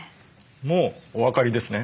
もうお分かりですね。